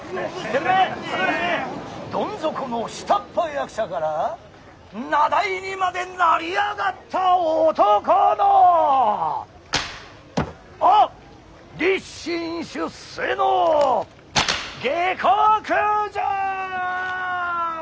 どん底の下っ端役者から名題にまで成り上がった男のあ立身出世の下克上！